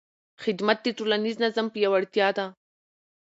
خدمت د ټولنیز نظم پیاوړتیا ده.